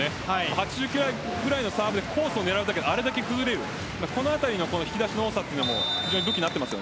８０キロぐらいのサーブでコースを狙うだけであれだけ崩れるこのあたりの引き出しの多さが武器になっています。